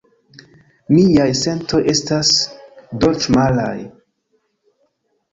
Miaj sentoj estas dolĉamaraj.